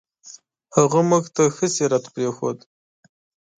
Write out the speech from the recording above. هغه موږ ته ښه سیرت پرېښود.